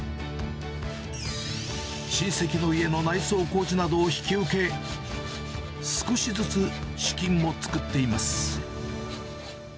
親戚の家の内装工事などを引き受け、少しずつ資金を作っています。